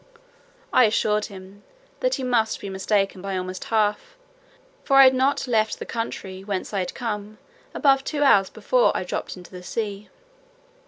I assured him, "that he must be mistaken by almost half, for I had not left the country whence I came above two hours before I dropped into the sea."